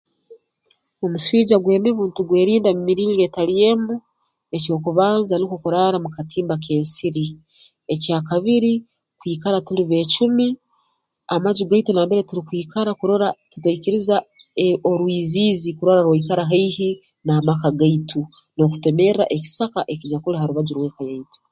Omuswija gw'emibu ntugwerinda mu miringo etali emu eky'okubanza nukwo kuraara mu katimba k'ensiri ekya kabiri kwikara tuli beecumi amaju gaitu nambere turukwikara kurora tigaikiriza eh orwiziizi kurora rwaikara haihi n'amaka gaitu n'okutemerra ekisaka ekinyakuli harubaju rw'eka yaitu